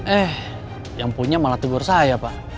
eh yang punya malah tidur saya pak